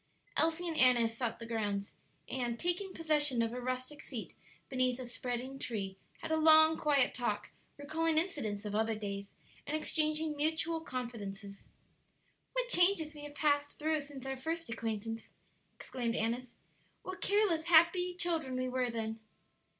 Elsie and Annis sought the grounds, and, taking possession of a rustic seat beneath a spreading tree, had a long, quiet talk, recalling incidents of other days, and exchanging mutual confidences. "What changes we have passed through since our first acquaintance !" exclaimed Annis. "What careless, happy children we were then!"